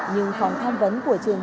nhưng phòng tham vấn của trường học